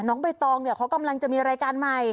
ใบตองเนี่ยเขากำลังจะมีรายการใหม่